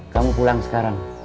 kamu pulang sekarang